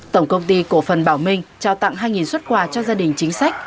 tổng công ty cổ phần bảo minh trao tặng hai xuất quà cho gia đình chính sách